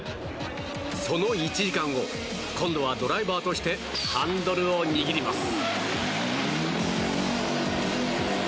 その１時間後今度はドライバーとしてハンドルを握ります。